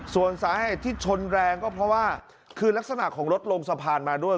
ส่วนสาเหตุที่ชนแรงก็เพราะว่าคือลักษณะของรถลงสะพานมาด้วย